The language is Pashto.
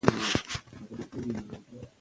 ځینې وخت ښځې یوازې یو ډول خواړه غواړي.